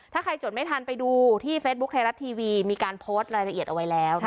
ถ้าใครจดไม่ทันไปดูที่เฟซบุ๊คไทยรัฐทีวีมีการโพสต์รายละเอียดเอาไว้แล้ว